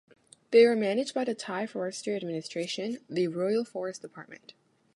They are managed by the Thai forestry administration, the "Royal Forest Department".